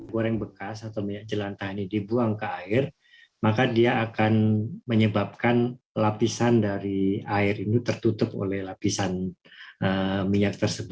goreng bekas atau minyak jelantah ini dibuang ke air maka dia akan menyebabkan lapisan dari air ini tertutup oleh lapisan minyak tersebut